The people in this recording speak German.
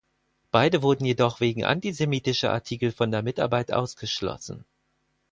Beide wurden jedoch wegen antisemitischer Artikel von der Mitarbeit ausgeschlossen.